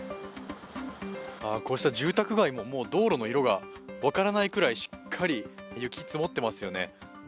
こうした住宅街ももう色が分からないくらいしっかり雪が積もってますよね。